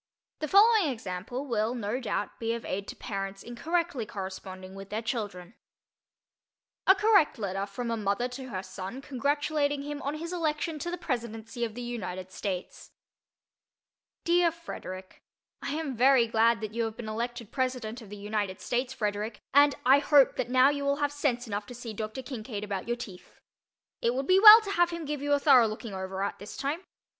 The following example will no doubt be of aid to parents in correctly corresponding with their children: A Correct Letter from a Mother to Her Son Congratulating Him on His Election to the Presidency of the United States DEAR FREDERICK: I am very glad that you have been elected President of the United States, Frederick, and I hope that now you will have sense enough to see Dr. Kincaid about your teeth. It would be well to have him give you a thorough looking over at this time.